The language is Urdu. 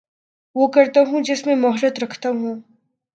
وہ کرتا ہوں جس میں مہارت رکھتا ہو